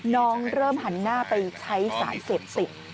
น้องเริ่มหันหน้าไปใช้สารเสพติด